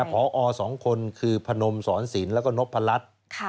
หออ๒คนคือพนมศรสินแล้วก็โนบภรรัฐ